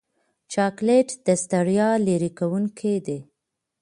چاکلېټ د ستړیا لرې کوونکی دی.